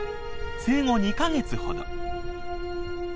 生後２か月ほど。